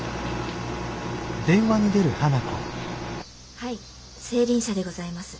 はい青凜社でございます。